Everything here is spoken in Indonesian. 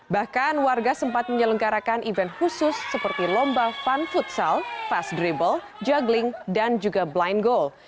bahkan warga sempat menyelenggarakan event khusus seperti lomba fun futsal fast dribble juggling dan juga blind goal